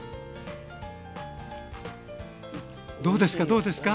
どうですか？